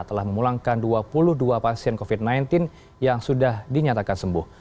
telah memulangkan dua puluh dua pasien covid sembilan belas yang sudah dinyatakan sembuh